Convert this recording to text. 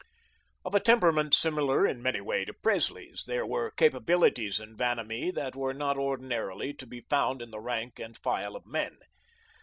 Of a temperament similar in many ways to Presley's, there were capabilities in Vanamee that were not ordinarily to be found in the rank and file of men.